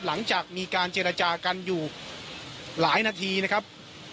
หลังจากมีการเจรจากันอยู่หลายนาทีนะครับ